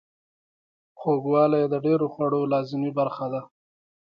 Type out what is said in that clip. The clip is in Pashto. خوږوالی د ډیرو خوړو لازمي برخه ده.